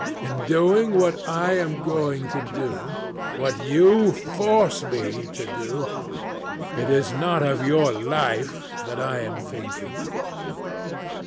In doing what I am going to do—what you force me to do—it is not of your life that I am thinking."